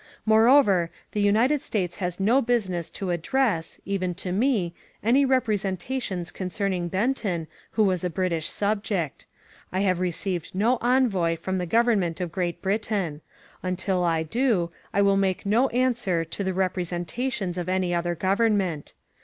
Moreover, the United States has no business to address, even to me, any representations concerning Benton, who was a British subject. I have received no envoy from the government of Great Brit ain. Until I do I will make no answer to the repre sentations of any other government.